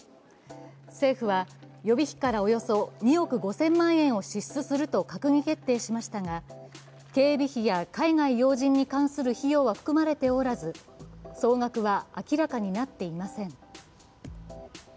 政府は、予備費からおよそ２億５０００万円を支出すると閣議決定しましたが、警備費や海外要人に関する費用は含まれておらず、総額は明らかになっていません。